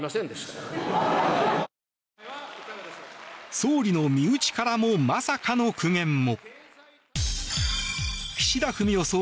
総理の身内からもまさかの苦言も。